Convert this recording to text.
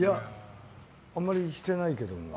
あんまりしてないけど。